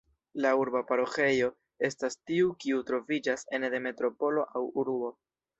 La urba paroĥejo estas tiu kiu troviĝas ene de metropolo aŭ urbo.